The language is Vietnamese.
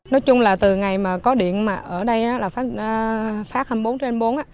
nói chung là từ ngày mà có điện mà ở đây là phát hai mươi bốn trên bốn